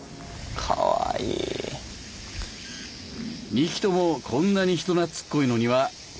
２匹ともこんなに人懐っこいのには訳がある。